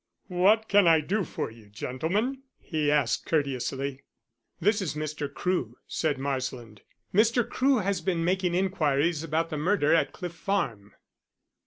"What can I do for you, gentlemen?" he asked courteously. "This is Mr. Crewe," said Marsland. "Mr. Crewe has been making inquiries about the murder at Cliff Farm."